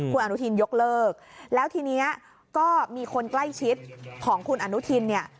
คุณอนุทินยกเลิกแล้วทีนี้ก็มีคนใกล้ชิดของคุณอนุทินเนี่ย